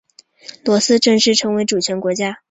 罗斯正式成为主权国家。